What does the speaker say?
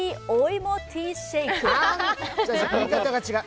言い方が違う。